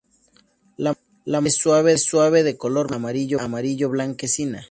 La madera es suave de color blanca a amarillo-blanquecina.